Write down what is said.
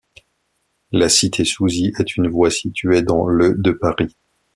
La cité Souzy est une voie située dans le de Paris.